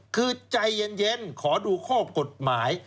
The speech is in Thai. คือใจเย็นขอดูข้อกฎหมาย